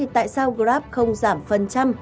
tại sao grab không giảm phần trăm